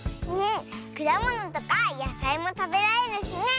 くだものとかやさいもたべられるしね！